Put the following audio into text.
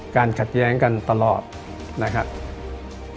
ขัดแย้งกันตลอดนะครับ